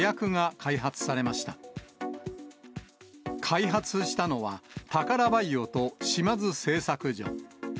開発したのは、タカラバイオと島津製作所。